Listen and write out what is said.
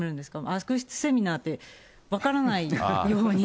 悪質セミナーって分からないように。